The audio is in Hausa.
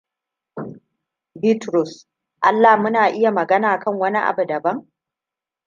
Bitrus Allah muna iya magana akan wani abu daban?